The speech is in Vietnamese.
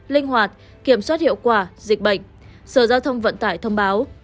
linh hoạt kiểm soát hiệu quả dịch bệnh sở giao thông vận tải thông báo